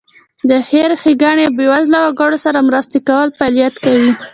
د خیر ښېګڼې او بېوزله وګړو سره مرستې لپاره فعالیت کوي.